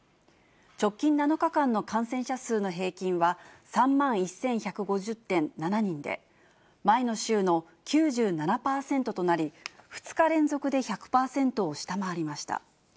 直近７日間の感染者数の平均は、３万１１５０．７人で、前の週の９７％となり、２日連続で１００％を下回りました。